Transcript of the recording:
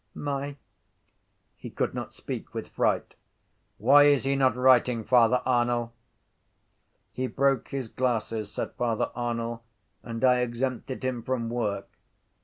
my... He could not speak with fright. —Why is he not writing, Father Arnall? —He broke his glasses, said Father Arnall, and I exempted him from work.